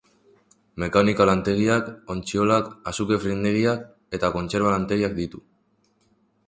Mekanika lantegiak, ontziolak, azukre findegiak eta kontserba lantegiak ditu.